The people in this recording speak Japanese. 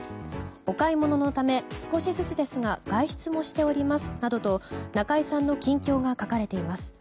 お買い物のため少しずつですが外出もしておりますなどと中居さんの近況が書かれています。